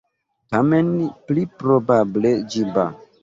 Tamen, pli probable, ĝiba.